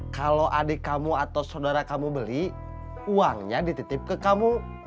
kalau adik kamu atau saudara kamu beli uangnya dititip ke kamu